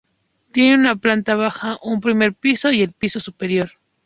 Tiene una planta baja, un primer piso y el piso superior.